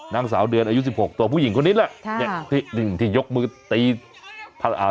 นางสาวเดือนอายุสิบหกตัวผู้หญิงคนนี้แหละครับที่ที่ยกมือตีอ่า